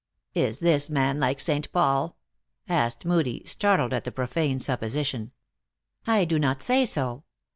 " Is this man like St. Paul ?" asked Moodie, startled at the profane supposition. "I do not say so.